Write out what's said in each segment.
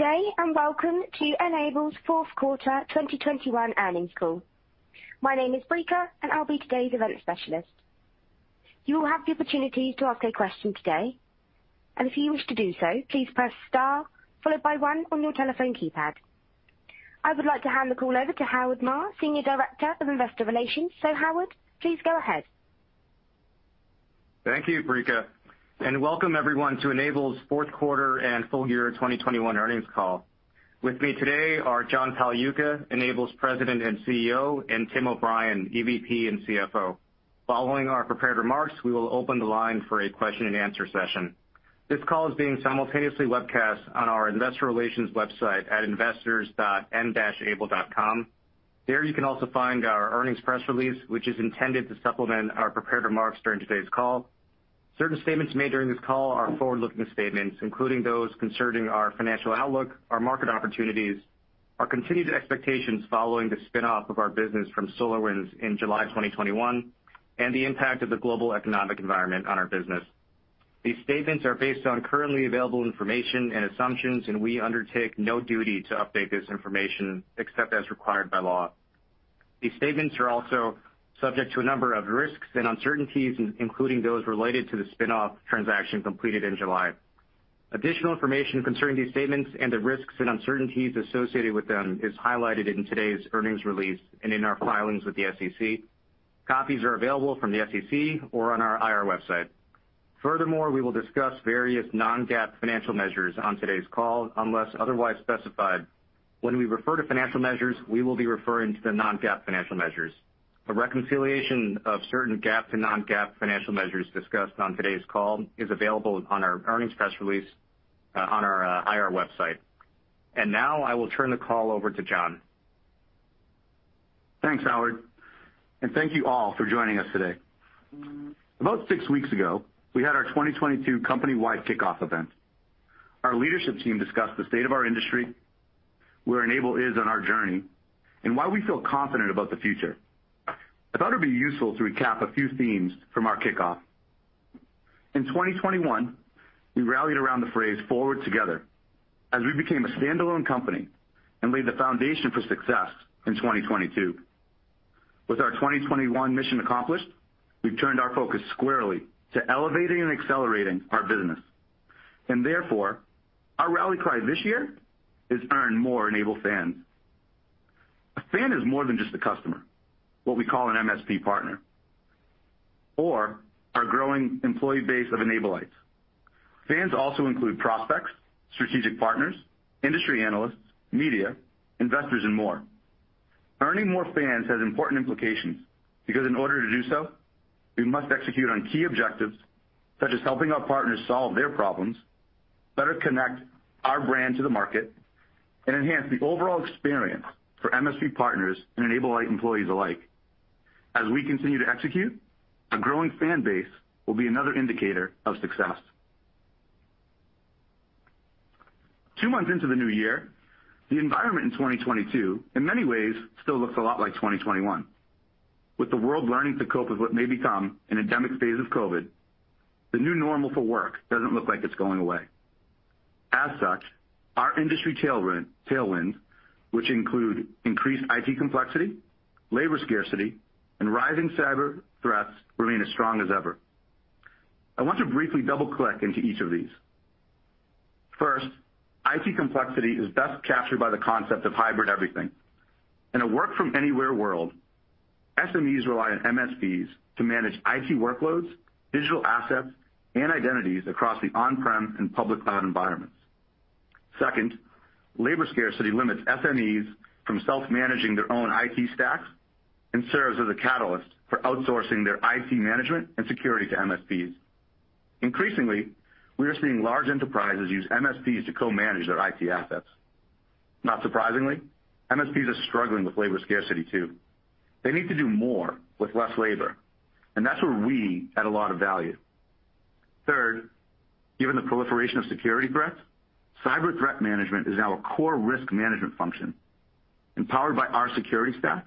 Good day, and welcome to N-able's fourth quarter 2021 earnings call. My name is Brica, and I'll be today's event specialist. You will have the opportunity to ask a question today, and if you wish to do so, please press Star followed by One on your telephone keypad. I would like to hand the call over to Howard Ma, Senior Director of Investor Relations. Howard, please go ahead. Thank you, Brica, and welcome everyone to N-able's fourth quarter and full year 2021 earnings call. With me today are John Pagliuca, N-able's President and CEO, and Tim O'Brien, EVP and CFO. Following our prepared remarks, we will open the line for a question-and-answer session. This call is being simultaneously webcast on our investor relations website at investors.n-able.com. There you can also find our earnings press release, which is intended to supplement our prepared remarks during today's call. Certain statements made during this call are forward-looking statements, including those concerning our financial outlook, our market opportunities, our continued expectations following the spin-off of our business from SolarWinds in July 2021, and the impact of the global economic environment on our business. These statements are based on currently available information and assumptions, and we undertake no duty to update this information except as required by law. These statements are also subject to a number of risks and uncertainties, including those related to the spin-off transaction completed in July. Additional information concerning these statements and the risks and uncertainties associated with them is highlighted in today's earnings release and in our filings with the SEC. Copies are available from the SEC or on our IR website. Furthermore, we will discuss various non-GAAP financial measures on today's call, unless otherwise specified. When we refer to financial measures, we will be referring to the non-GAAP financial measures. A reconciliation of certain GAAP to non-GAAP financial measures discussed on today's call is available on our earnings press release, on our IR website. Now I will turn the call over to John. Thanks, Howard, and thank you all for joining us today. About six weeks ago, we had our 2022 company-wide kickoff event. Our leadership team discussed the state of our industry, where N-able is on our journey, and why we feel confident about the future. I thought it'd be useful to recap a few themes from our kickoff. In 2021, we rallied around the phrase forward together as we became a standalone company and laid the foundation for success in 2022. With our 2021 mission accomplished, we've turned our focus squarely to elevating and accelerating our business. Therefore, our rally cry this year is earn more N-able fans. A fan is more than just a customer, what we call an MSP partner, or our growing employee base of N-ablites. Fans also include prospects, strategic partners, industry analysts, media, investors, and more. Earning more fans has important implications because in order to do so, we must execute on key objectives such as helping our partners solve their problems, better connect our brand to the market, and enhance the overall experience for MSP partners and N-ablites employees alike. As we continue to execute, a growing fan base will be another indicator of success. Two months into the new year, the environment in 2022, in many ways, still looks a lot like 2021. With the world learning to cope with what may become an endemic phase of COVID, the new normal for work doesn't look like it's going away. As such, our industry tailwinds, which include increased IT complexity, labor scarcity, and rising cyber threats remain as strong as ever. I want to briefly double-click into each of these. First, IT complexity is best captured by the concept of hybrid everything. In a work-from-anywhere world, SMEs rely on MSPs to manage IT workloads, digital assets, and identities across the on-prem and public cloud environments. Second, labor scarcity limits SMEs from self-managing their own IT stacks and serves as a catalyst for outsourcing their IT management and security to MSPs. Increasingly, we are seeing large enterprises use MSPs to co-manage their IT assets. Not surprisingly, MSPs are struggling with labor scarcity too. They need to do more with less labor, and that's where we add a lot of value. Third, given the proliferation of security threats, cyber threat management is now a core risk management function. Empowered by our security staff,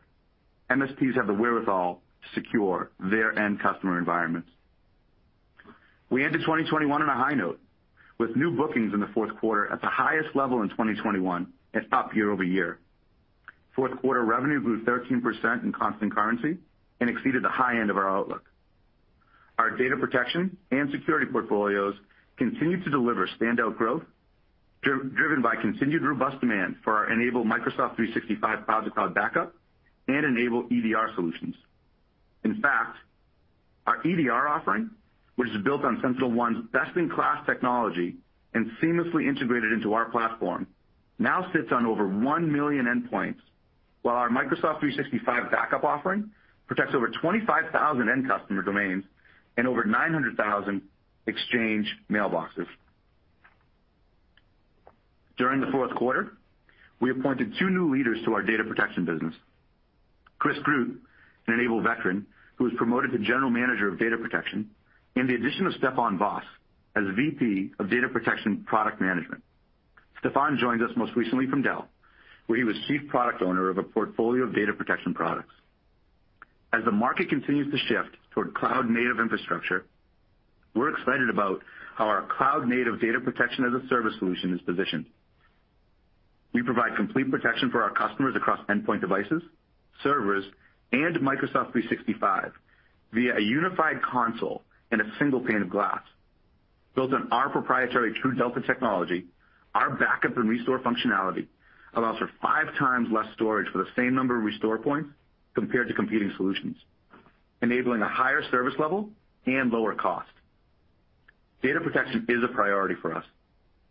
MSPs have the wherewithal to secure their end customer environments. We ended 2021 on a high note with new bookings in the fourth quarter at the highest level in 2021 and up year-over-year. Fourth quarter revenue grew 13% in constant currency and exceeded the high end of our outlook. Our data protection and security portfolios continue to deliver standout growth driven by continued robust demand for our N-able Microsoft 365 cloud-to-cloud backup and N-able EDR solutions. In fact, our EDR offering, which is built on SentinelOne's best-in-class technology and seamlessly integrated into our platform, now sits on over 1 million endpoints, while our Microsoft 365 backup offering protects over 25,000 end customer domains and over 900,000 Exchange mailboxes. During the fourth quarter, we appointed two new leaders to our data protection business. Chris Groot, an N-able veteran, who was promoted to General Manager of data protection, and the addition of Stefan Voss as VP of data protection product management. Stefan joins us most recently from Dell, where he was chief product owner of a portfolio of data protection products. As the market continues to shift toward cloud-native infrastructure, we're excited about how our cloud-native data protection as a service solution is positioned. We provide complete protection for our customers across endpoint devices, servers, and Microsoft 365 via a unified console and a single pane of glass. Built on our proprietary TrueDelta technology, our backup and restore functionality allows for five times less storage for the same number of restore points compared to competing solutions, enabling a higher service level and lower cost. Data protection is a priority for us,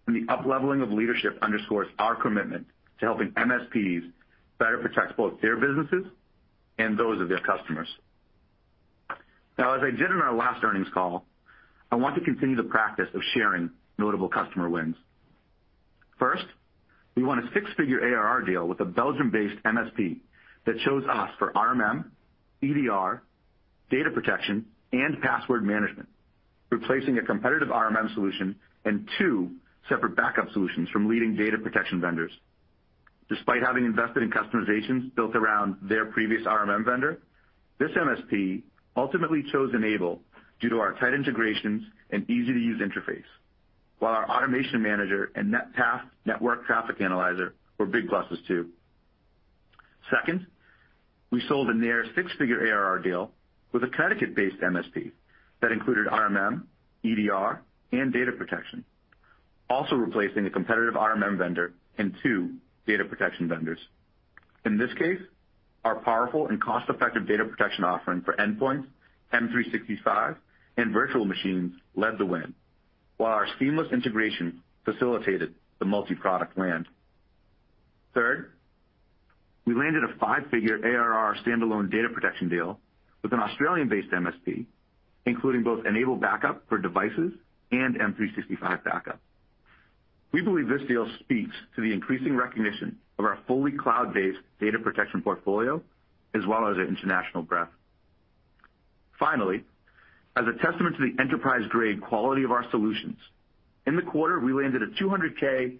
and the upleveling of leadership underscores our commitment to helping MSPs better protect both their businesses and those of their customers. Now, as I did in our last earnings call, I want to continue the practice of sharing notable customer wins. First, we won a six-figure ARR deal with a Belgium-based MSP that chose us for RMM, EDR, data protection, and password management, replacing a competitive RMM solution and two separate backup solutions from leading data protection vendors. Despite having invested in customizations built around their previous RMM vendor, this MSP ultimately chose N-able due to our tight integrations and easy-to-use interface, while our Automation Manager and NetPath network traffic analyzer were big pluses too. Second, we sold a near six-figure ARR deal with a Connecticut-based MSP that included RMM, EDR, and data protection, also replacing a competitive RMM vendor and two data protection vendors. In this case, our powerful and cost-effective data protection offering for endpoints, M365, and virtual machines led the win, while our seamless integration facilitated the multi-product land. Third, we landed a five-figure ARR standalone data protection deal with an Australian-based MSP, including both N-able backup for devices and M365 backup. We believe this deal speaks to the increasing recognition of our fully cloud-based data protection portfolio, as well as its international breadth. Finally, as a testament to the enterprise-grade quality of our solutions, in the quarter, we landed a 200K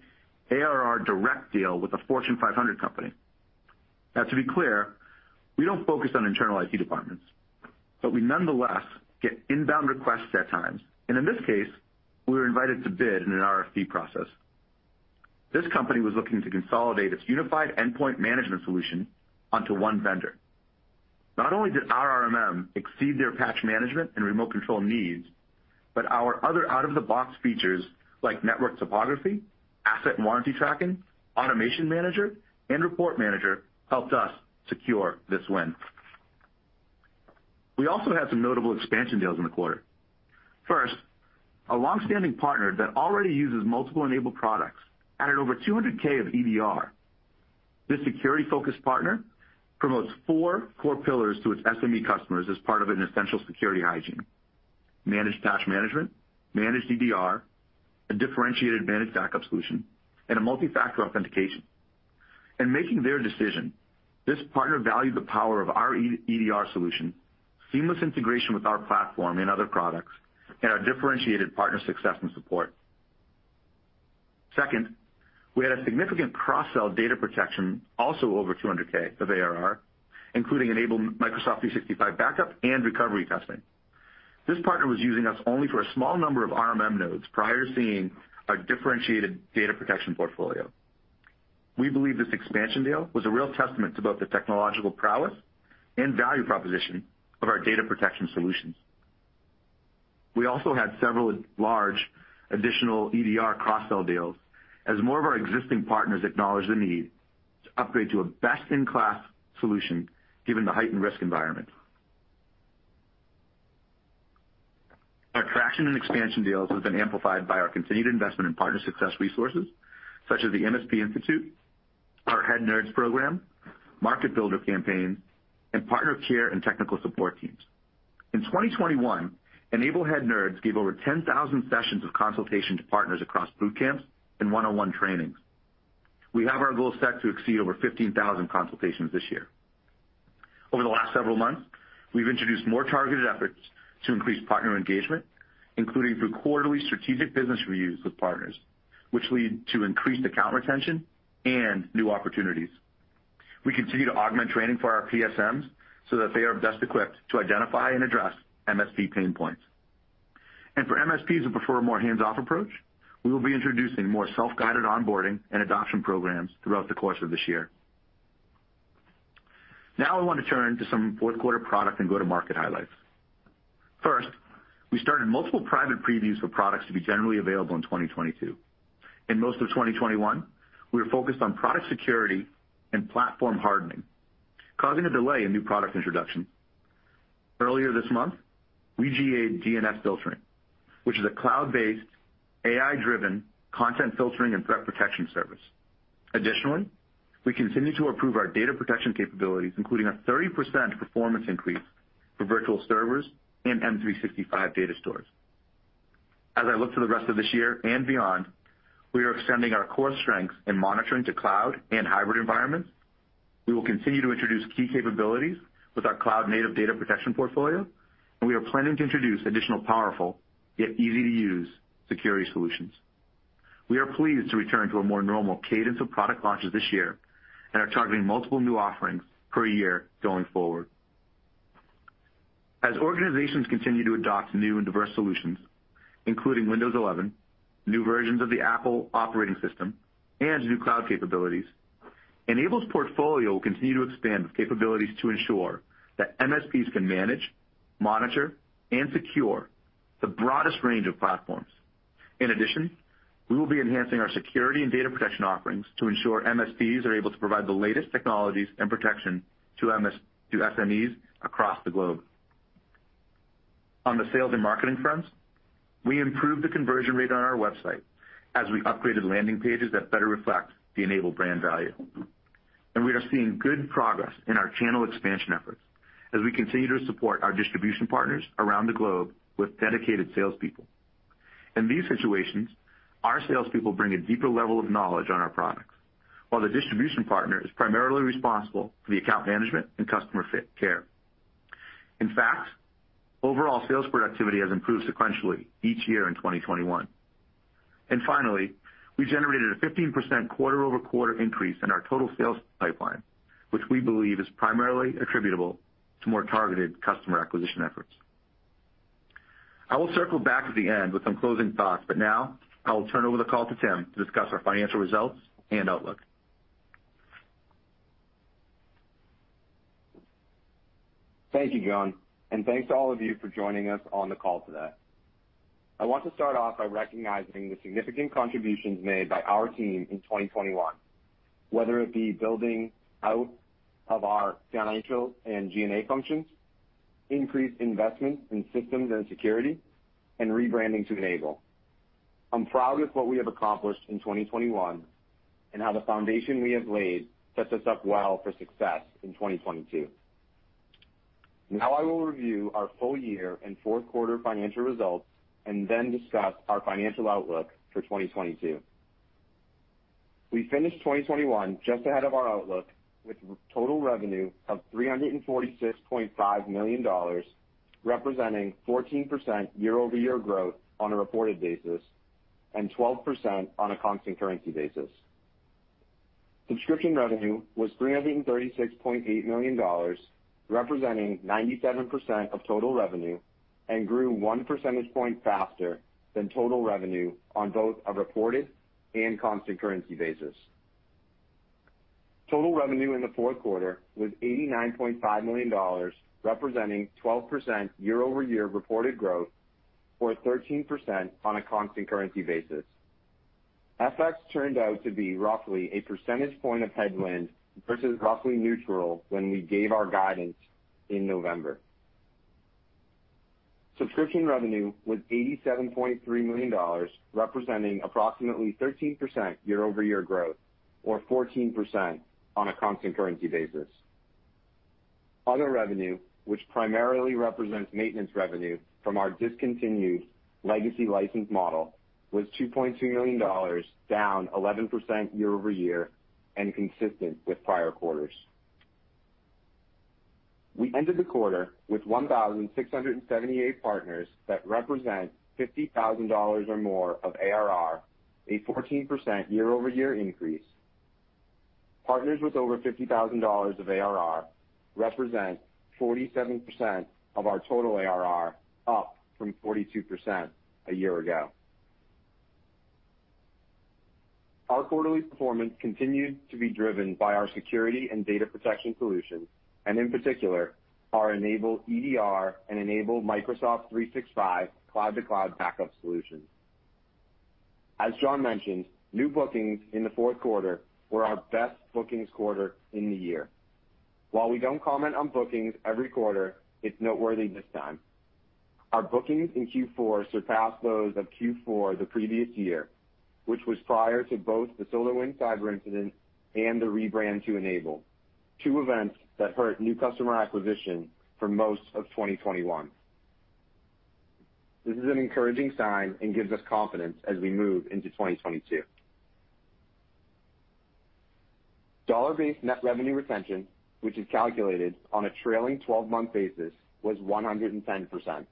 ARR direct deal with a Fortune 500 company. Now, to be clear, we don't focus on internal IT departments, but we nonetheless get inbound requests at times. In this case, we were invited to bid in an RFP process. This company was looking to consolidate its Unified Endpoint Management solution onto one vendor. Not only did our RMM exceed their patch management and remote control needs, but our other out-of-the-box features like network topology, asset and warranty tracking, Automation Manager, and Report Manager helped us secure this win. We also had some notable expansion deals in the quarter. First, a long-standing partner that already uses multiple N-able products added over 200K of EDR. This security-focused partner promotes four core pillars to its SME customers as part of an essential security hygiene, managed patch management, managed EDR, a differentiated managed backup solution, and a multifactor authentication. In making their decision, this partner valued the power of our N-able EDR solution, seamless integration with our platform and other products, and our differentiated partner success and support. Second, we had a significant cross-sell data protection, also over $200K of ARR, including N-able Microsoft 365 backup and recovery testing. This partner was using us only for a small number of RMM nodes prior to seeing our differentiated data protection portfolio. We believe this expansion deal was a real testament to both the technological prowess and value proposition of our data protection solutions. We also had several large additional EDR cross-sell deals as more of our existing partners acknowledge the need to upgrade to a best-in-class solution given the heightened risk environment. Our traction and expansion deals have been amplified by our continued investment in partner success resources, such as the MSP Institute, our Head Nerds program, MarketBuilder campaign, and partner care and technical support teams. In 2021, N-able Head Nerds gave over 10,000 sessions of consultation to partners across boot camps and one-on-one trainings. We have our goals set to exceed over 15,000 consultations this year. Over the last several months, we've introduced more targeted efforts to increase partner engagement, including through quarterly strategic business reviews with partners, which lead to increased account retention and new opportunities. We continue to augment training for our PSMs, so that they are best equipped to identify and address MSP pain points. For MSPs who prefer a more hands-off approach, we will be introducing more self-guided onboarding and adoption programs throughout the course of this year. Now I want to turn to some fourth-quarter product and go-to-market highlights. First, we started multiple private previews for products to be generally available in 2022. In most of 2021, we were focused on product security and platform hardening, causing a delay in new product introduction. Earlier this month, we GA'd DNS Filtering, which is a cloud-based, AI-driven content filtering and threat protection service. Additionally, we continue to improve our data protection capabilities, including a 30% performance increase for virtual servers and M365 data stores. As I look to the rest of this year and beyond, we are extending our core strengths in monitoring to cloud and hybrid environments. We will continue to introduce key capabilities with our cloud-native data protection portfolio, and we are planning to introduce additional powerful, yet easy-to-use security solutions. We are pleased to return to a more normal cadence of product launches this year and are targeting multiple new offerings per year going forward. As organizations continue to adopt new and diverse solutions, including Windows 11, new versions of the Apple operating system, and new cloud capabilities, N-able's portfolio will continue to expand with capabilities to ensure that MSPs can manage, monitor, and secure the broadest range of platforms. In addition, we will be enhancing our security and data protection offerings to ensure MSPs are able to provide the latest technologies and protection to SMEs across the globe. On the sales and marketing fronts, we improved the conversion rate on our website as we upgraded landing pages that better reflect the N-able brand value. We are seeing good progress in our channel expansion efforts as we continue to support our distribution partners around the globe with dedicated salespeople. In these situations, our salespeople bring a deeper level of knowledge on our products, while the distribution partner is primarily responsible for the account management and customer care. In fact, overall sales productivity has improved sequentially each year in 2021. Finally, we generated a 15% quarter-over-quarter increase in our total sales pipeline, which we believe is primarily attributable to more targeted customer acquisition efforts. I will circle back at the end with some closing thoughts, but now I will turn over the call to Tim to discuss our financial results and outlook. Thank you, John, and thanks to all of you for joining us on the call today. I want to start off by recognizing the significant contributions made by our team in 2021, whether it be building out of our financial and G&A functions, increased investment in systems and security, and rebranding to N-able. I'm proud of what we have accomplished in 2021 and how the foundation we have laid sets us up well for success in 2022. Now I will review our full year and fourth quarter financial results and then discuss our financial outlook for 2022. We finished 2021 just ahead of our outlook with total revenue of $346.5 million, representing 14% year-over-year growth on a reported basis, and 12% on a constant currency basis. Subscription revenue was $336.8 million, representing 97% of total revenue, and grew one percentage point faster than total revenue on both a reported and constant currency basis. Total revenue in the fourth quarter was $89.5 million, representing 12% year-over-year reported growth, or 13% on a constant currency basis. FX turned out to be roughly a percentage point of headwind versus roughly neutral when we gave our guidance in November. Subscription revenue was $87.3 million, representing approximately 13% year-over-year growth, or 14% on a constant currency basis. Other revenue, which primarily represents maintenance revenue from our discontinued legacy license model, was $2.2 million, down 11% year-over-year and consistent with prior quarters. We ended the quarter with 1,678 partners that represent $50,000 or more of ARR, a 14% year-over-year increase. Partners with over $50,000 of ARR represent 47% of our total ARR, up from 42% a year ago. Our quarterly performance continued to be driven by our security and data protection solutions, and in particular, our N-able EDR and N-able Microsoft 365 cloud-to-cloud backup solutions. As John mentioned, new bookings in the fourth quarter were our best bookings quarter in the year. While we don't comment on bookings every quarter, it's noteworthy this time. Our bookings in Q4 surpassed those of Q4 the previous year, which was prior to both the SolarWinds cyber incident and the rebrand to N-able, two events that hurt new customer acquisition for most of 2021. This is an encouraging sign and gives us confidence as we move into 2022. Dollar-based net revenue retention, which is calculated on a trailing twelve-month basis, was 110%.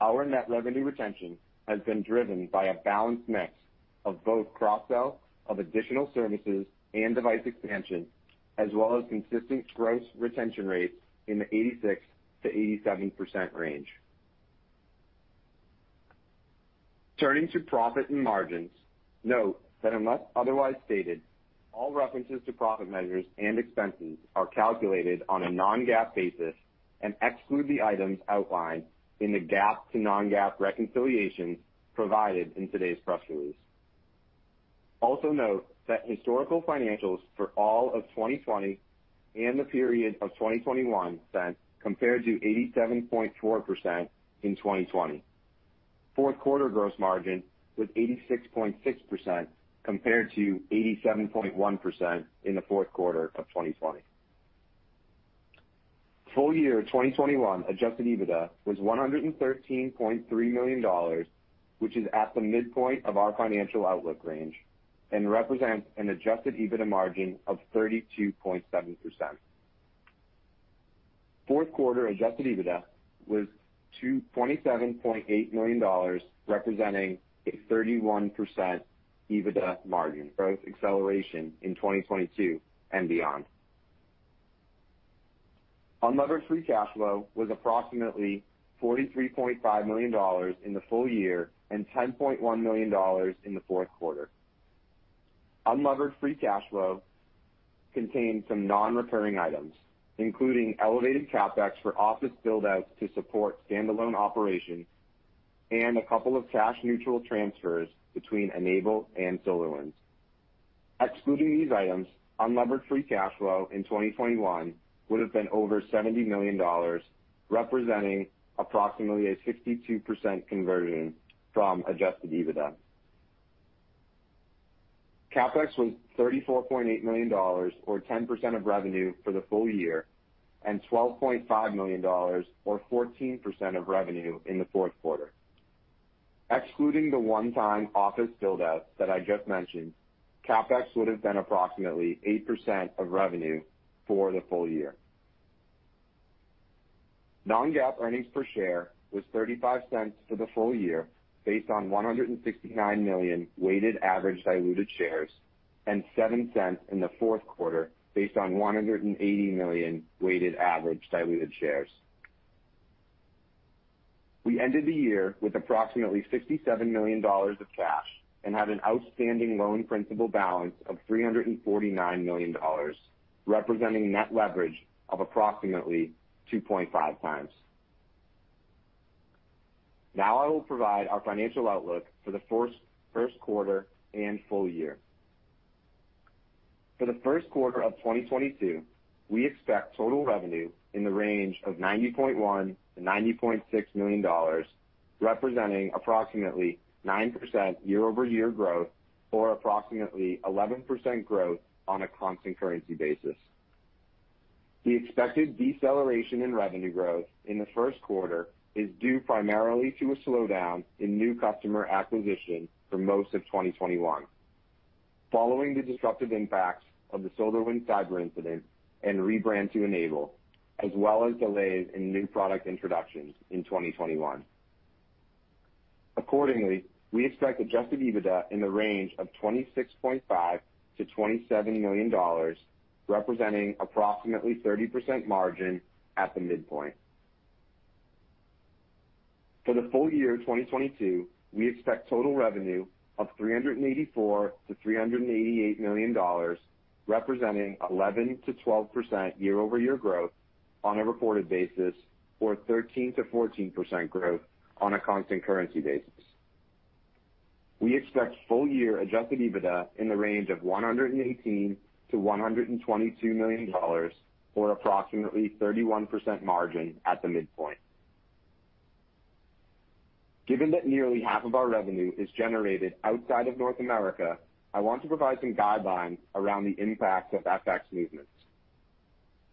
Our net revenue retention has been driven by a balanced mix of both cross-sell of additional services and device expansion, as well as consistent gross retention rates in the 86%-87% range. Turning to profit and margins, note that unless otherwise stated, all references to profit measures and expenses are calculated on a non-GAAP basis and exclude the items outlined in the GAAP to non-GAAP reconciliation provided in today's press release. Also note that historical financials for all of 2020 and the period of 2021 then compared to 87.4% in 2020. Fourth quarter gross margin was 86.6% compared to 87.1% in the fourth quarter of 2020. Full year 2021 adjusted EBITDA was $113.3 million, which is at the midpoint of our financial outlook range and represents an adjusted EBITDA margin of 32.7%. Fourth quarter adjusted EBITDA was $27.8 million, representing a 31% EBITDA margin growth acceleration in 2022 and beyond. Unlevered free cash flow was approximately $43.5 million in the full year and $10.1 million in the fourth quarter. Unlevered free cash flow contained some non-recurring items, including elevated CapEx for office build outs to support standalone operations and a couple of cash neutral transfers between N-able and SolarWinds. Excluding these items, unlevered free cash flow in 2021 would have been over $70 million, representing approximately a 62% conversion from adjusted EBITDA. CapEx was $34.8 million, or 10% of revenue for the full year, and $12.5 million or 14% of revenue in the fourth quarter. Excluding the one-time office build out that I just mentioned, CapEx would have been approximately 8% of revenue for the full year. Non-GAAP earnings per share was $0.35 for the full year based on 169 million weighted average diluted shares, and $0.07 in the fourth quarter based on 180 million weighted average diluted shares. We ended the year with approximately $67 million of cash and have an outstanding loan principal balance of $349 million, representing net leverage of approximately 2.5 times. Now I will provide our financial outlook for the first quarter and full year. For the first quarter of 2022, we expect total revenue in the range of $90.1 million-$90.6 million, representing approximately 9% year-over-year growth or approximately 11% growth on a constant currency basis. The expected deceleration in revenue growth in the first quarter is due primarily to a slowdown in new customer acquisition for most of 2021, following the disruptive impacts of the SolarWinds cyber incident and rebrand to N-able, as well as delays in new product introductions in 2021. Accordingly, we expect adjusted EBITDA in the range of $26.5 million-$27 million, representing approximately 30% margin at the midpoint. For the full year 2022, we expect total revenue of $384 million-$388 million, representing 11%-12% year-over-year growth on a reported basis, or 13%-14% growth on a constant currency basis. We expect full year adjusted EBITDA in the range of $118 million-$122 million or approximately 31% margin at the midpoint. Given that nearly half of our revenue is generated outside of North America, I want to provide some guidelines around the impact of FX movements.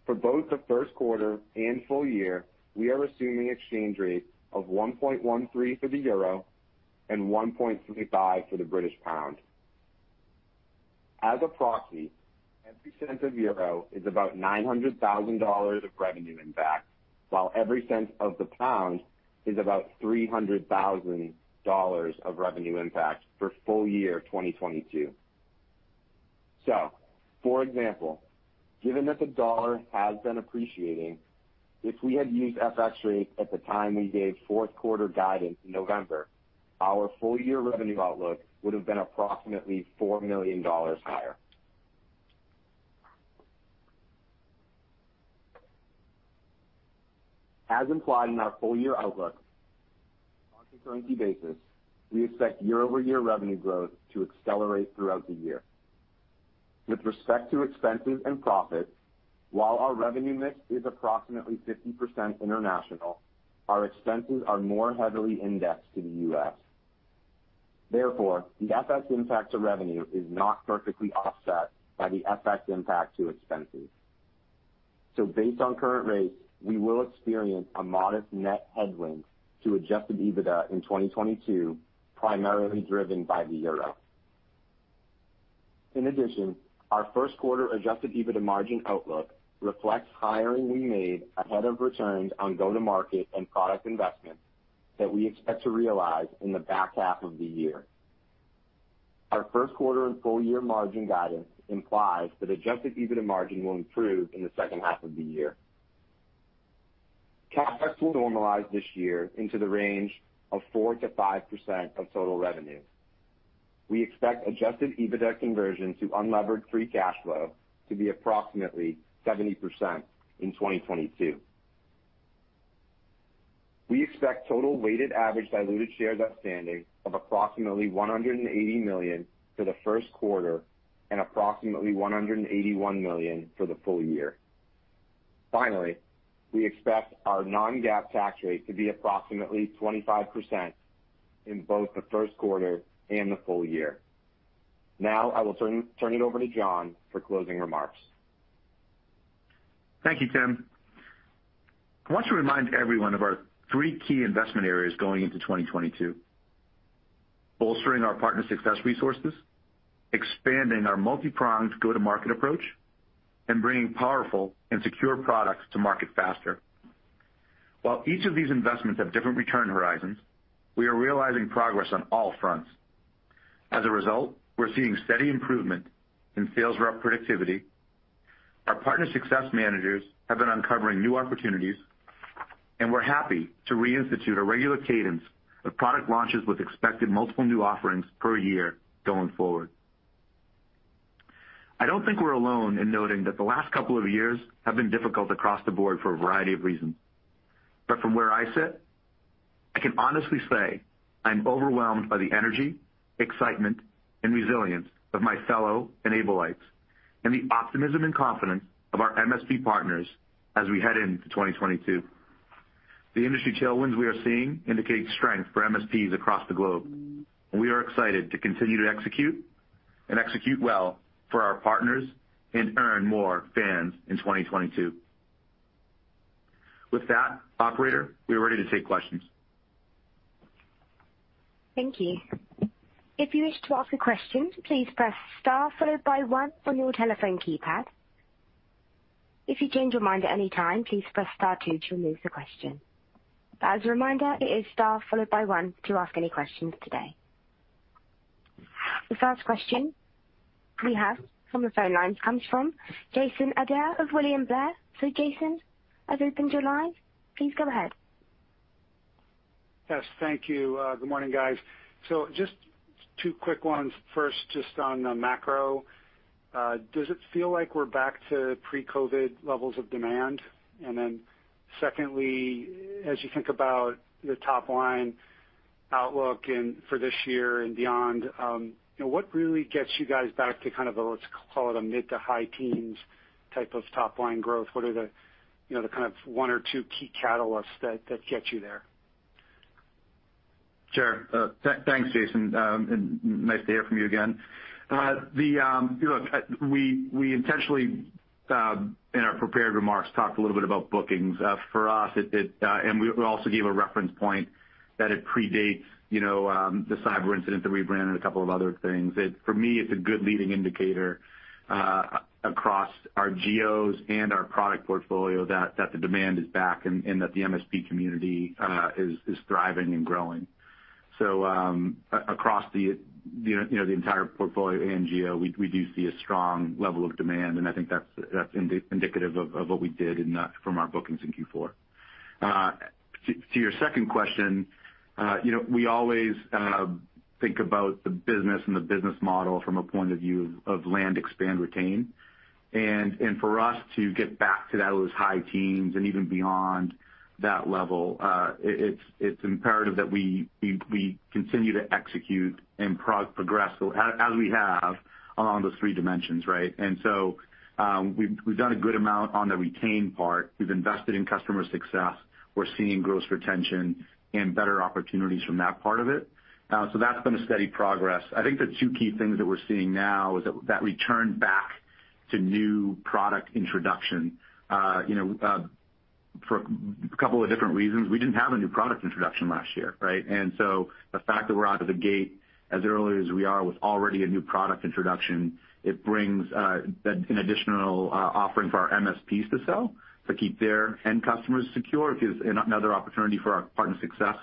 For both the first quarter and full year, we are assuming exchange rates of 1.13 for the euro and 1.35 for the British pound. As a proxy, every cent of euro is about $900,000 of revenue impact, while every cent of the pound is about $300,000 of revenue impact for full year 2022. For example, given that the dollar has been appreciating, if we had used FX rates at the time we gave fourth quarter guidance in November, our full year revenue outlook would have been approximately $4 million higher. As implied in our full year outlook, on a currency basis, we expect year-over-year revenue growth to accelerate throughout the year. With respect to expenses and profits, while our revenue mix is approximately 50% international, our expenses are more heavily indexed to the U.S. Therefore, the FX impact to revenue is not perfectly offset by the FX impact to expenses. Based on current rates, we will experience a modest net headwind to adjusted EBITDA in 2022, primarily driven by the euro. In addition, our first quarter adjusted EBITDA margin outlook reflects hiring we made ahead of returns on go-to-market and product investments that we expect to realize in the back half of the year. Our first quarter and full year margin guidance implies that adjusted EBITDA margin will improve in the second half of the year. CapEx will normalize this year into the range of 4%-5% of total revenue. We expect adjusted EBITDA conversion to unlevered free cash flow to be approximately 70% in 2022. We expect total weighted average diluted shares outstanding of approximately 180 million for the first quarter and approximately 181 million for the full year. Finally, we expect our non-GAAP tax rate to be approximately 25% in both the first quarter and the full year. Now I will turn it over to John for closing remarks. Thank you, Tim. I want to remind everyone of our three key investment areas going into 2022. Bolstering our partner success resources, expanding our multipronged go-to-market approach, and bringing powerful and secure products to market faster. While each of these investments have different return horizons, we are realizing progress on all fronts. As a result, we're seeing steady improvement in sales rep productivity. Our partner success managers have been uncovering new opportunities, and we're happy to reinstitute a regular cadence of product launches with expected multiple new offerings per year going forward. I don't think we're alone in noting that the last couple of years have been difficult across the board for a variety of reasons. From where I sit, I can honestly say I'm overwhelmed by the energy, excitement, and resilience of my fellow N-ablites, and the optimism and confidence of our MSP partners as we head into 2022. The industry tailwinds we are seeing indicate strength for MSPs across the globe, and we are excited to continue to execute well for our partners and earn more fans in 2022. With that, operator, we are ready to take questions. Thank you. If you wish to ask a question, please press Star followed by One on your telephone keypad. If you change your mind at any time, please press Star Two to remove the question. As a reminder, it is Star followed by One to ask any questions today. The first question we have from the phone lines comes from Jason Ader of William Blair. Jason, I've opened your line. Please go ahead. Yes, thank you. Good morning, guys. So just two quick ones. First, just on the macro, does it feel like we're back to pre-COVID levels of demand? Then secondly, as you think about your top line outlook and for this year and beyond, you know, what really gets you guys back to kind of the, let's call it a mid to high teens type of top line growth? What are the, you know, the kind of one or two key catalysts that get you there? Sure. Thanks, Jason. Nice to hear from you again. Look, we intentionally in our prepared remarks talked a little bit about bookings. For us, it and we also gave a reference point that it predates you know the cyber incident, the rebrand, and a couple of other things. For me, it's a good leading indicator across our geos and our product portfolio that the demand is back and that the MSP community is thriving and growing. Across, you know, the entire portfolio and geo, we do see a strong level of demand, and I think that's indicative of what we did in that from our bookings in Q4. To your second question, you know, we always think about the business and the business model from a point of view of land expand retain. For us to get back to those high teens and even beyond that level, it's imperative that we continue to execute and progress as we have along those three dimensions, right? We've done a good amount on the retain part. We've invested in customer success. We're seeing gross retention and better opportunities from that part of it. That's been a steady progress. I think the two key things that we're seeing now is that return back to new product introduction. For a couple of different reasons, we didn't have a new product introduction last year, right? The fact that we're out of the gate as early as we are with already a new product introduction, it brings an additional offering for our MSPs to sell to keep their end customers secure. It gives another opportunity for our partner success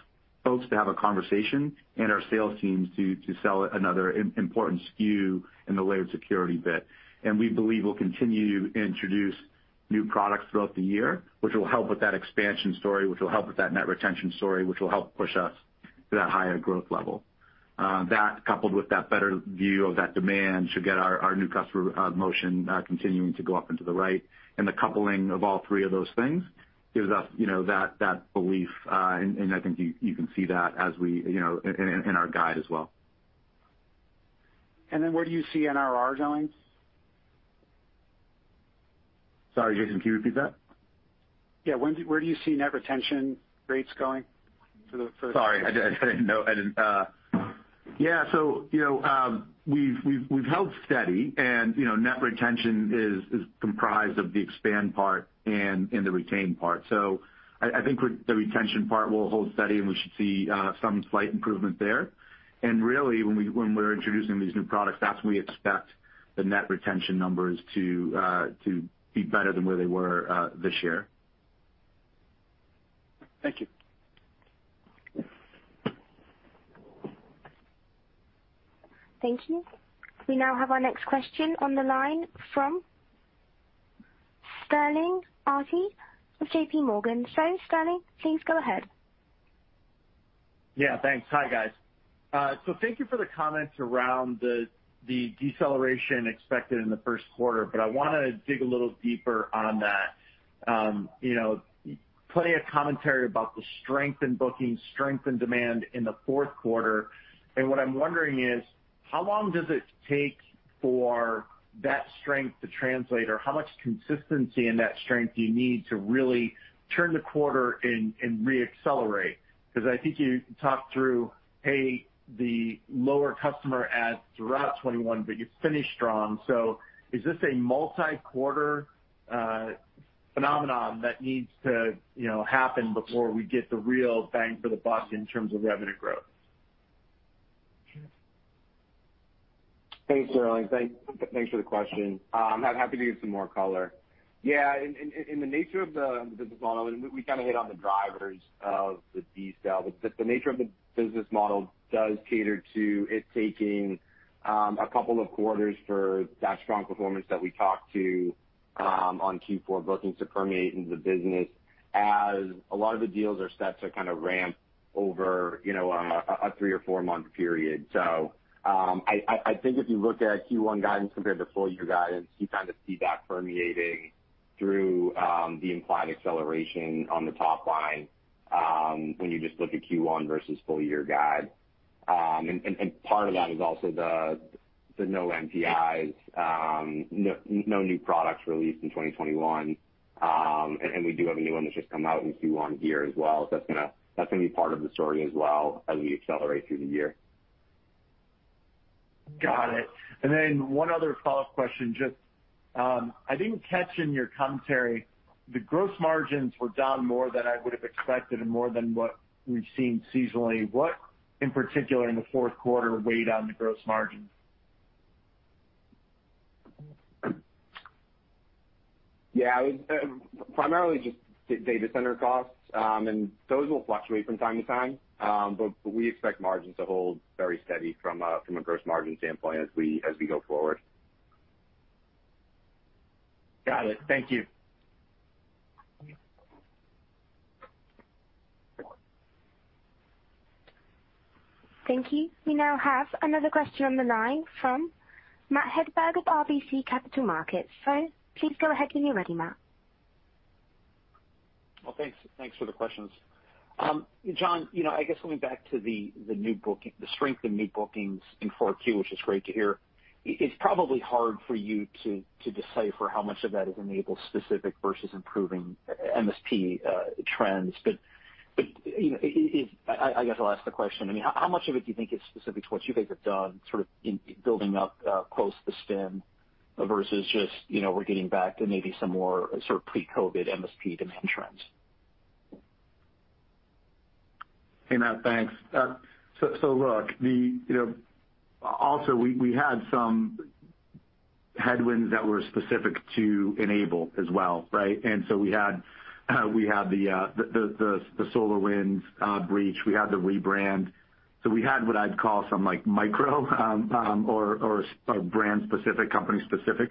folks to have a conversation and our sales teams to sell another important SKU in the layered security bit. We believe we'll continue to introduce new products throughout the year, which will help with that expansion story, which will help with that net retention story, which will help push us to that higher growth level. That coupled with that better view of that demand should get our new customer motion continuing to go up into the right. The coupling of all three of those things gives us, you know, that belief. I think you can see that as we, you know, in our guide as well. Where do you see NRR going? Sorry, Jason, can you repeat that? Where do you see net retention rates going. Sorry, I didn't know. Yeah. You know, we've held steady and, you know, net retention is comprised of the expansion part and the retention part. I think the retention part will hold steady, and we should see some slight improvement there. Really, when we're introducing these new products, that's when we expect the net retention numbers to be better than where they were this year. Thank you. Thank you. We now have our next question on the line from Sterling Auty of JPMorgan. Sterling, please go ahead. Yeah, thanks. Hi, guys. So thank you for the comments around the deceleration expected in the first quarter, but I wanna dig a little deeper on that. You know, plenty of commentary about the strength in bookings, strength in demand in the fourth quarter, and what I'm wondering is how long does it take for that strength to translate? Or how much consistency in that strength do you need to really turn the quarter and re-accelerate? Because I think you talked through, hey, the lower customer adds throughout 2021, but you finished strong. Is this a multi-quarter phenomenon that needs to, you know, happen before we get the real bang for the buck in terms of revenue growth. Thanks, Sterling. Thanks for the question. I'm happy to give some more color. Yeah. In the nature of the model, and we kind of hit on the drivers of the deal, but the nature of the business model does cater to it taking a couple of quarters for that strong performance that we talked to on Q4 bookings to permeate into the business as a lot of the deals are set to kind of ramp over, you know, a three or four-month period. I think if you look at Q1 guidance compared to full year guidance, you kind of see that permeating through the implied acceleration on the top line when you just look at Q1 versus full year guide. Part of that is also the no NPIs, no new products released in 2021. We do have a new one that's just come out in Q1 here as well. That's gonna be part of the story as well as we accelerate through the year. Got it. One other follow-up question, just, I didn't catch in your commentary, the gross margins were down more than I would have expected and more than what we've seen seasonally. What, in particular, in the fourth quarter weighed on the gross margin? Yeah. I would say primarily just data center costs, and those will fluctuate from time to time. We expect margins to hold very steady from a gross margin standpoint as we go forward. Got it. Thank you. Thank you. We now have another question on the line from Matt Hedberg of RBC Capital Markets. Please go ahead when you're ready, Matt. Well, thanks. Thanks for the questions. John, you know, I guess going back to the new booking, the strength in new bookings in Q4, which is great to hear, it's probably hard for you to decipher how much of that is N-able specific versus improving MSP trends. You know, I guess I'll ask the question. I mean, how much of it do you think is specific to what you guys have done, sort of in building up close to spin versus just, you know, we're getting back to maybe some more sort of pre-COVID MSP demand trends? Hey, Matt. Thanks. So look, you know, also we had some headwinds that were specific to N-able as well, right? We had the SolarWinds breach. We had the rebrand. We had what I'd call some like micro or brand specific, company specific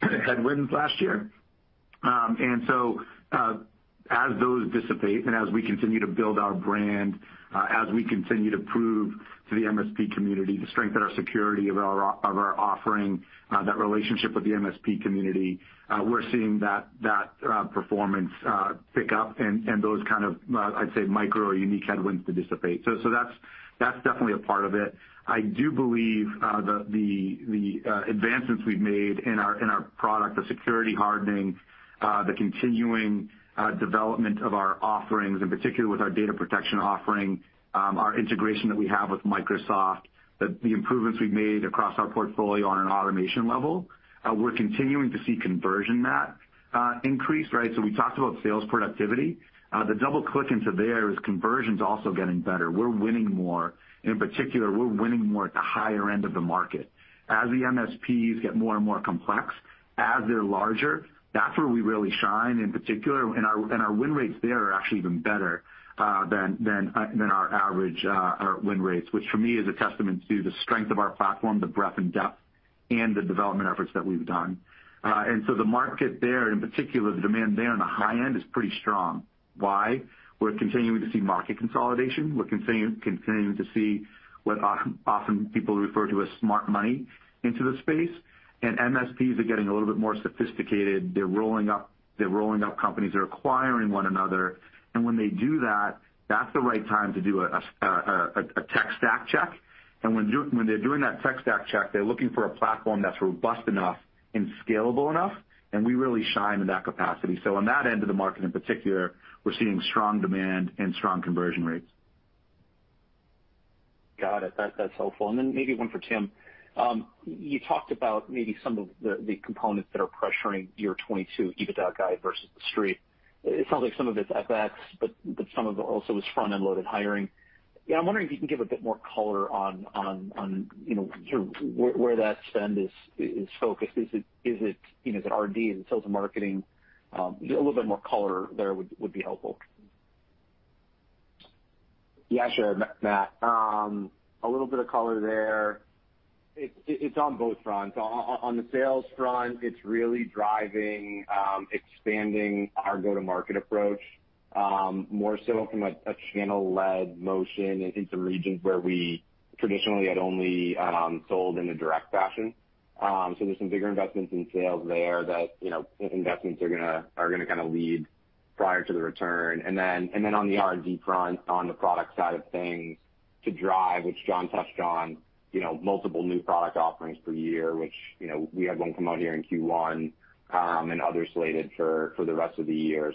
headwinds last year. As those dissipate and as we continue to build our brand, as we continue to prove to the MSP community the strength of our security of our offering, that relationship with the MSP community, we're seeing that performance pick up and those kind of, I'd say micro or unique headwinds to dissipate. That's definitely a part of it. I do believe the advancements we've made in our product, the security hardening, the continuing development of our offerings, in particular with our data protection offering, our integration that we have with Microsoft, the improvements we've made across our portfolio on an automation level, we're continuing to see conversion rate increase, right? We talked about sales productivity. The double click into there is conversions also getting better. We're winning more, and in particular, we're winning more at the higher end of the market. As the MSPs get more and more complex, as they're larger, that's where we really shine. In particular, our win rates there are actually even better than our average win rates, which for me is a testament to the strength of our platform, the breadth and depth and the development efforts that we've done. The market there, in particular the demand there on the high end is pretty strong. Why? We're continuing to see market consolidation. We're continuing to see what often people refer to as smart money into the space. MSPs are getting a little bit more sophisticated. They're rolling up companies. They're acquiring one another. When they do that's the right time to do a tech stack check. When they're doing that tech stack check, they're looking for a platform that's robust enough and scalable enough, and we really shine in that capacity. On that end of the market in particular, we're seeing strong demand and strong conversion rates. Got it. That's helpful. Maybe one for Tim. You talked about some of the components that are pressuring 2022 EBITDA guide versus the Street. It sounds like some of it's FX, but some of it also is front-end loaded hiring. Yeah, I'm wondering if you can give a bit more color on, you know, sort of where that spend is focused. Is it, you know, is it R&D? Is it sales and marketing? A little bit more color there would be helpful. Yeah, sure, Matt. A little bit of color there. It's on both fronts. On the sales front, it's really driving expanding our go-to-market approach more so from a channel-led motion into regions where we traditionally had only sold in a direct fashion. So there's some bigger investments in sales there that, you know, investments are gonna kinda lead prior to the return. And then on the R&D front, on the product side of things to drive, which John touched on, you know, multiple new product offerings per year, which, you know, we had one come out here in Q1 and others slated for the rest of the year.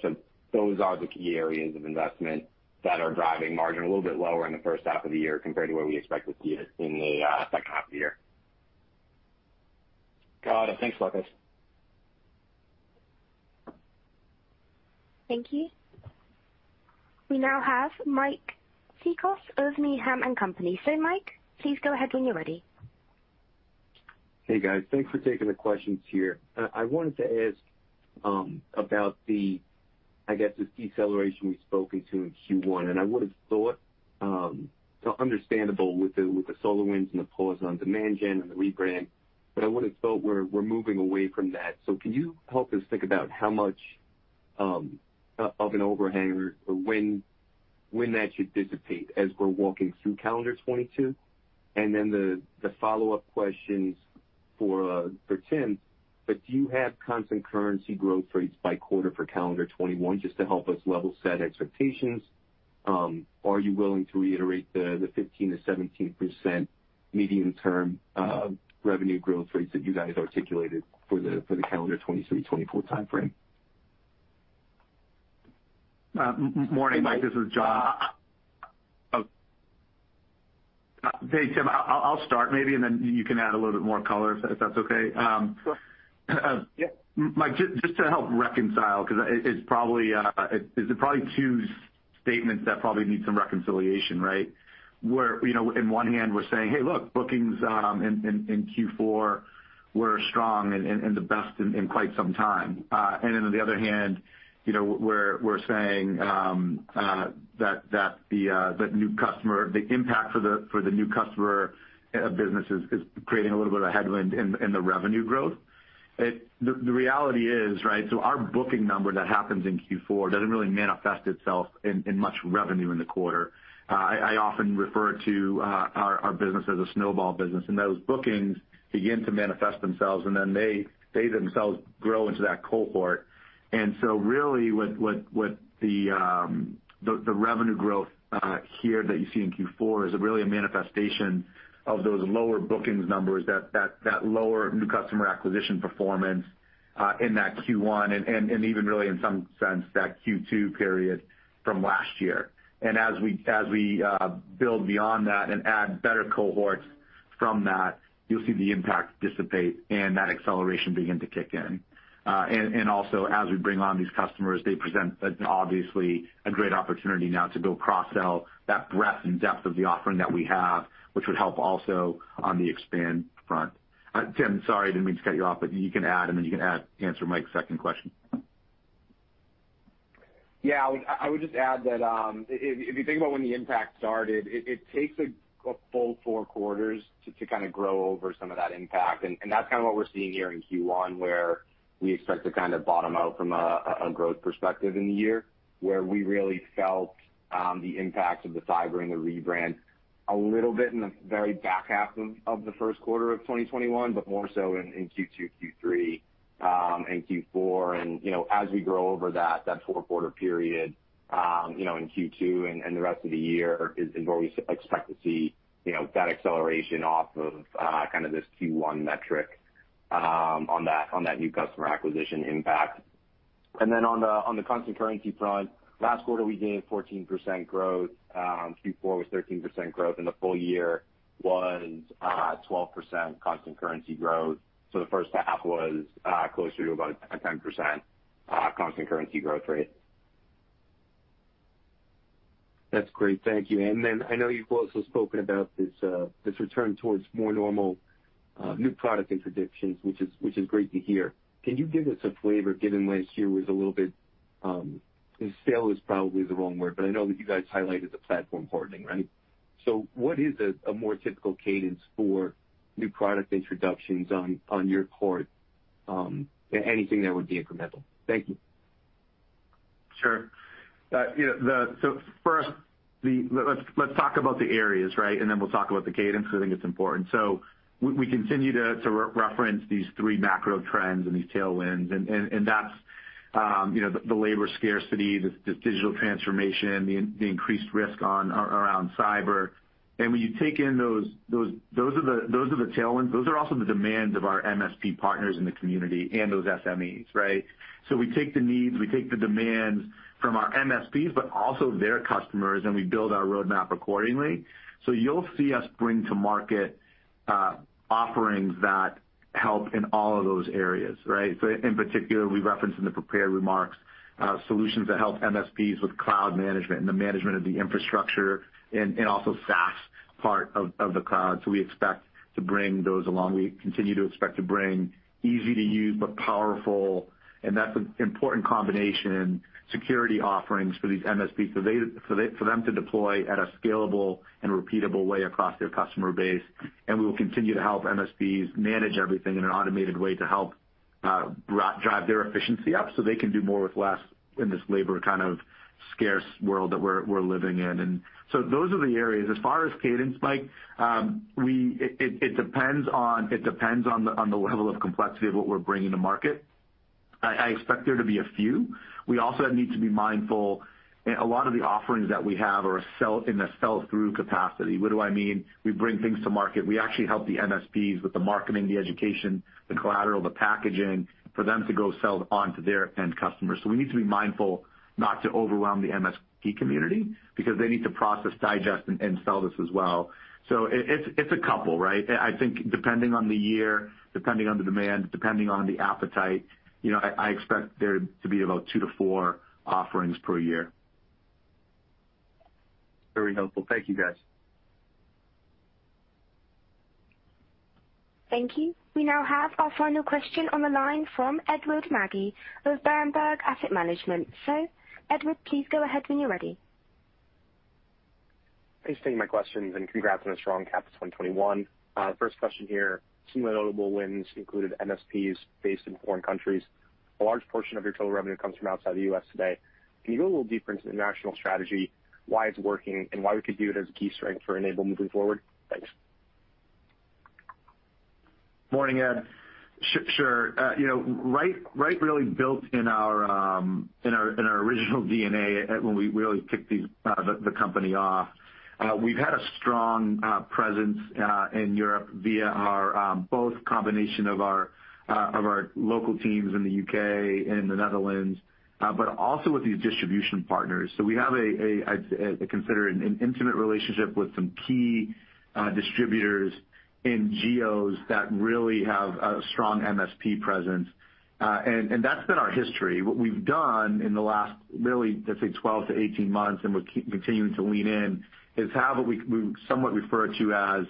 Those are the key areas of investment that are driving margin a little bit lower in the first half of the year compared to where we expect to see it in the second half of the year. Got it. Thanks a lot guys. Thank you. We now have Mike Cikos of Needham & Company. Mike, please go ahead when you're ready. Hey, guys. Thanks for taking the questions here. I wanted to ask about the, I guess, the deceleration we've spoken to in Q1, and I would have thought so understandable with the SolarWinds and the pause on demand gen and the rebrand, but I would have thought we're moving away from that. Can you help us think about how much of an overhang or when that should dissipate as we're walking through calendar 2022? And then the follow-up questions for Tim, but do you have constant currency growth rates by quarter for calendar 2021 just to help us level set expectations? Are you willing to reiterate the 15%-17% medium-term revenue growth rates that you guys articulated for the calendar 2023-2024 timeframe? Morning, Mike, this is John. Oh. Hey, Tim. I'll start maybe, and then you can add a little bit more color if that's okay. Sure. Yeah. Mike, just to help reconcile 'cause it's probably two statements that probably need some reconciliation, right? Where, you know, on one hand we're saying, "Hey, look, bookings in Q4 were strong and the best in quite some time." And then on the other hand, you know, we're saying that the impact of the new customer business is creating a little bit of a headwind in the revenue growth. The reality is, right, so our booking number that happens in Q4 doesn't really manifest itself in much revenue in the quarter. I often refer to our business as a snowball business, and those bookings begin to manifest themselves, and then they themselves grow into that cohort. Really what the revenue growth here that you see in Q4 is really a manifestation of those lower bookings numbers that lower new customer acquisition performance in that Q1 and even really in some sense that Q2 period from last year. As we build beyond that and add better cohorts from that, you'll see the impact dissipate and that acceleration begin to kick in. Also as we bring on these customers, they present obviously a great opportunity now to go cross-sell that breadth and depth of the offering that we have, which would help also on the expand front. Tim, sorry, I didn't mean to cut you off, but you can add and then answer Mike's second question. Yeah. I would just add that if you think about when the impact started, it takes a full four quarters to kinda grow over some of that impact. That's kinda what we're seeing here in Q1, where we expect to kind of bottom out from a growth perspective in the year, where we really felt the impact of the cyber and the rebrand a little bit in the very back half of the first quarter of 2021, but more so in Q2, Q3, and Q4. You know, as we grow over that four-quarter period, you know, in Q2 and the rest of the year is where we expect to see you know, that acceleration off of kind of this Q1 metric on that new customer acquisition impact. On the constant currency front, last quarter we gained 14% growth. Q4 was 13% growth, and the full year was 12% constant currency growth. The first half was closer to about 10% constant currency growth rate. That's great. Thank you. Then I know you've also spoken about this return towards more normal, new product introductions, which is great to hear. Can you give us a flavor given last year was a little bit, and stale is probably the wrong word, but I know that you guys highlighted the platform hardening, right? What is a more typical cadence for new product introductions on your part, anything that would be incremental? Thank you. Sure. You know, first, let's talk about the areas, right? Then we'll talk about the cadence 'cause I think it's important. We continue to re-reference these three macro trends and these tailwinds, and that's you know, the labor scarcity, this digital transformation, the increased risk around cyber. When you take in those are the tailwinds. Those are also the demands of our MSP partners in the community and those SMEs, right? We take the needs, we take the demands from our MSPs, but also their customers, and we build our roadmap accordingly. You'll see us bring to market offerings that help in all of those areas, right? In particular, we referenced in the prepared remarks solutions that help MSPs with cloud management and the management of the infrastructure and also SaaS part of the cloud. We expect to bring those along. We continue to expect to bring easy to use but powerful, and that's an important combination, security offerings for these MSPs so they for them to deploy at a scalable and repeatable way across their customer base. We will continue to help MSPs manage everything in an automated way to help drive their efficiency up, so they can do more with less in this labor kind of scarce world that we're living in. Those are the areas. As far as cadence, Mike, it depends on the level of complexity of what we're bringing to market. I expect there to be a few. We also need to be mindful, a lot of the offerings that we have are a sell-in a sell-through capacity. What do I mean? We bring things to market. We actually help the MSPs with the marketing, the education, the collateral, the packaging for them to go sell it on to their end customers. We need to be mindful not to overwhelm the MSP community because they need to process, digest, and sell this as well. It's a couple, right? I think depending on the year, depending on the demand, depending on the appetite, you know, I expect there to be about two to four offerings per year. Very helpful. Thank you, guys. Thank you. We now have our final question on the line from Edward Magi of Berenberg Asset Management. Edward, please go ahead when you're ready. Thanks for taking my questions, and congrats on a strong 2021. First question here. Some notable wins included MSPs based in foreign countries. A large portion of your total revenue comes from outside the U.S. today. Can you go a little deeper into the international strategy, why it's working, and why we could view it as a key strength for N-able moving forward? Thanks. Morning, Ed. Sure. You know, right, really built in our original DNA from when we really kicked the company off. We've had a strong presence in Europe via a combination of both our local teams in the U.K. and the Netherlands, but also with these distribution partners. We have a, I'd say, I consider an intimate relationship with some key distributors in geos that really have a strong MSP presence, and that's been our history. What we've done in the last really, let's say, 12-18 months, and we're continuing to lean in, is have what we somewhat refer to as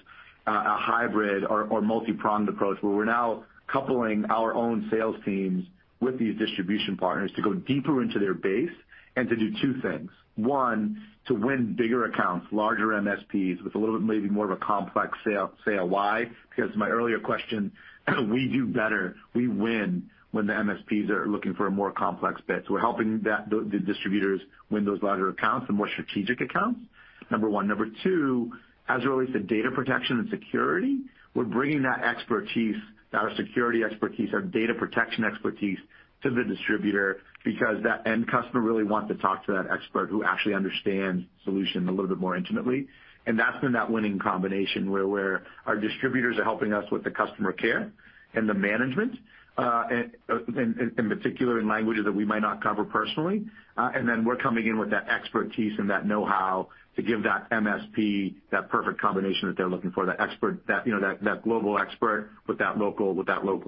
a hybrid or multi-pronged approach, where we're now coupling our own sales teams with these distribution partners to go deeper into their base and to do two things. One, to win bigger accounts, larger MSPs, with a little bit maybe more of a complex sale, say why. Because to my earlier question, we do better, we win when the MSPs are looking for a more complex fit. We're helping the distributors win those larger accounts and more strategic accounts, number one. Number two, as it relates to data protection and security, we're bringing that expertise, our security expertise, our data protection expertise to the distributor because that end customer really wants to talk to that expert who actually understands solution a little bit more intimately. That's been that winning combination where our distributors are helping us with the customer care and the management, and in particular in languages that we might not cover personally. Then we're coming in with that expertise and that know-how to give that MSP that perfect combination that they're looking for, the expert that, you know, that global expert with that local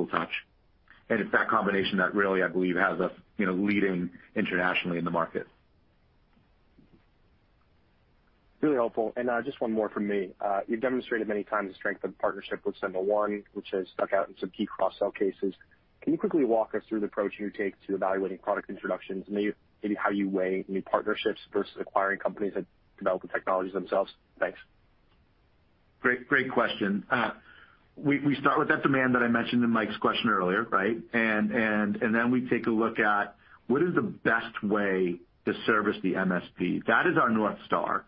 touch. It's that combination that really, I believe, has us, you know, leading internationally in the market. Really helpful. Just one more from me. You've demonstrated many times the strength of the partnership with SentinelOne, which has stuck out in some key cross-sell cases. Can you quickly walk us through the approach you take to evaluating product introductions and maybe how you weigh new partnerships versus acquiring companies that develop the technologies themselves? Thanks. Great question. We start with that demand that I mentioned in Mike's question earlier, right? We take a look at what is the best way to service the MSP. That is our North Star.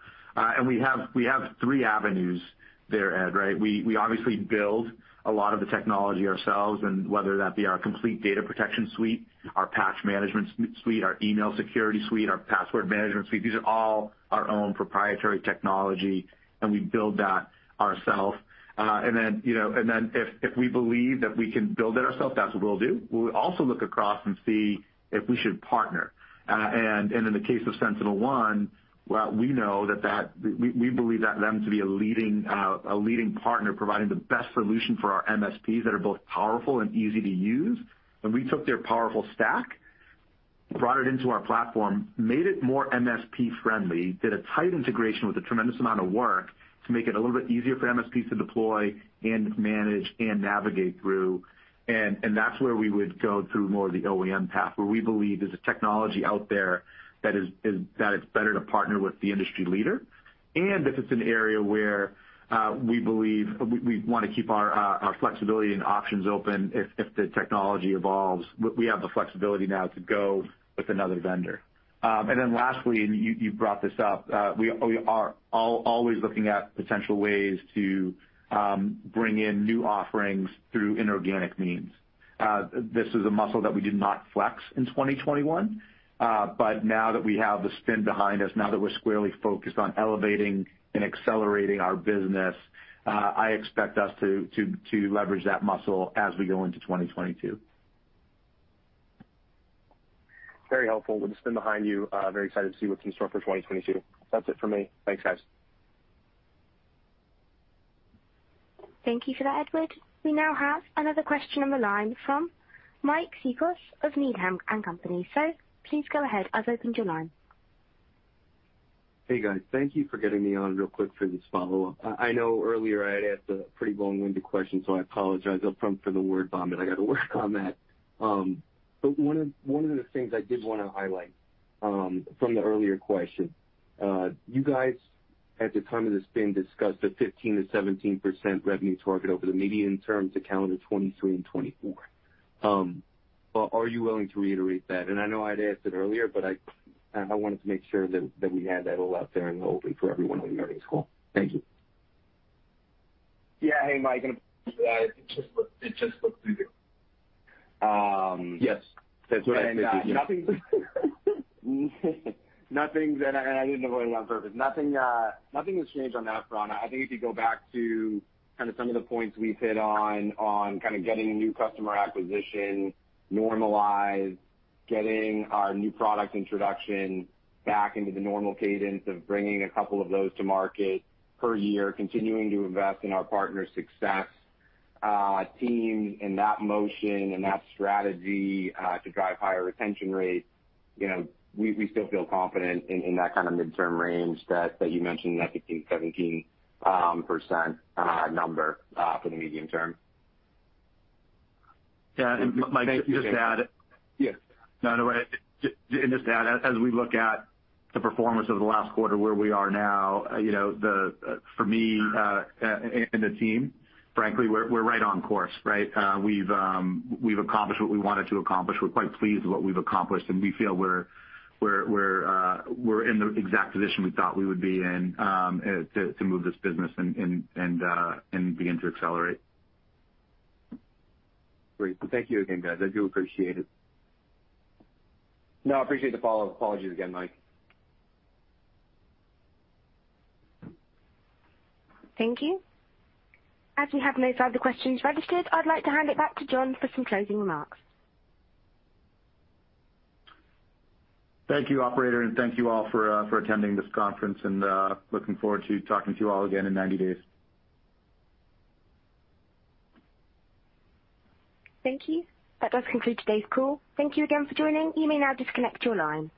We have three avenues there, Ed, right? We obviously build a lot of the technology ourselves, and whether that be our complete data protection suite, our patch management suite, our email security suite, our password management suite, these are all our own proprietary technology, and we build that ourselves. And then, you know, if we believe that we can build it ourselves, that's what we'll do. We'll also look across and see if we should partner. And in the case of SentinelOne, well, we know that... We believe them to be a leading partner providing the best solution for our MSPs that are both powerful and easy to use. We took their powerful stack, brought it into our platform, made it more MSP friendly, did a tight integration with a tremendous amount of work to make it a little bit easier for MSPs to deploy and manage and navigate through. That's where we would go through more of the OEM path, where we believe there's a technology out there that it's better to partner with the industry leader. If it's an area where we believe we wanna keep our flexibility and options open, if the technology evolves, we have the flexibility now to go with another vendor. Lastly, you brought this up. We are always looking at potential ways to bring in new offerings through inorganic means. This is a muscle that we did not flex in 2021. Now that we have the spin behind us, now that we're squarely focused on elevating and accelerating our business, I expect us to leverage that muscle as we go into 2022. Very helpful. With the spin behind you, very excited to see what's in store for 2022. That's it for me. Thanks, guys. Thank you for that, Edward. We now have another question on the line from Mike Cikos of Needham & Company. Please go ahead. I've opened your line. Hey, guys. Thank you for getting me on real quick for this follow-up. I know earlier I'd asked a pretty long-winded question, so I apologize up front for the word vomit. I gotta work on that. One of the things I did want to highlight from the earlier question, you guys at the time of the spin discussed a 15%-17% revenue target over the medium term to calendar 2023 and 2024. Are you willing to reiterate that? I know I'd asked it earlier, but I wanted to make sure that we had that all out there in the open for everyone on the earnings call. Thank you. Yeah. Hey, Mike, and it just looked through to you. Yes. That's what I meant to do. Nothing has changed on that front. I think if you go back to kinda some of the points we've hit on kinda getting new customer acquisition normalized, getting our new product introduction back into the normal cadence of bringing a couple of those to market per year, continuing to invest in our partner success team and that motion and that strategy to drive higher retention rates. You know, we still feel confident in that kinda midterm range that you mentioned, that 15%-17% number for the medium term. Yeah. Mike, just to add. No, no, wait. Just to add, as we look at the performance over the last quarter where we are now, you know, for me and the team, frankly, we're right on course, right? We've accomplished what we wanted to accomplish. We're quite pleased with what we've accomplished, and we feel we're in the exact position we thought we would be in, to move this business and begin to accelerate. Great. Thank you again, guys. I do appreciate it. No, I appreciate the follow-up. Apologies again, Mike. Thank you. As we have no further questions registered, I'd like to hand it back to John for some closing remarks. Thank you, operator, and thank you all for attending this conference and looking forward to talking to you all again in 90 days. Thank you. That does conclude today's call. Thank you again for joining. You may now disconnect your line.